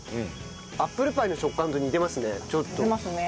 アップルパイの食感と似てますね。